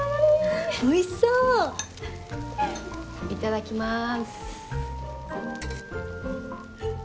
いただきます。